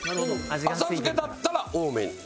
浅漬けだったら多めに。